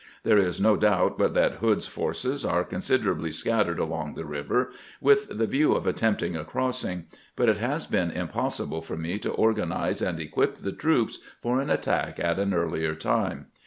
There is no doubt but that Hood's forces are consid erably scattered along the river, with the view of at tempting a crossing ; but it has been impossible for me to organize and equip the troops for an attack at an earlier time.